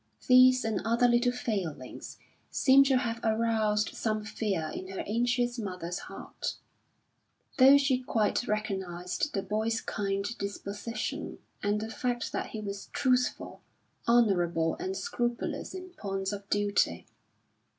These and other little failings seem to have aroused some fear in her anxious mother's heart, though she quite recognised the boy's kind disposition, and the fact that he was truthful, honourable and scrupulous in points of duty.